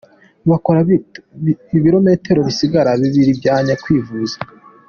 Bakora ibirometero bisaga bibiri bajya kwivuza.